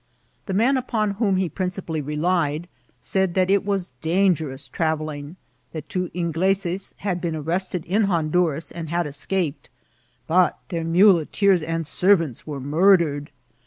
The man upon whom he principally relied said that it was dangerous travel ling ; that two Ingleses had been arrested in HonduraSi and had escaped, but their muleteers and servants were murdered.